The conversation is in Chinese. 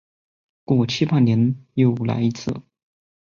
过七八年又来一次。